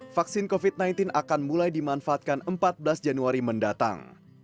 vaksin covid sembilan belas akan mulai dimanfaatkan empat belas januari mendatang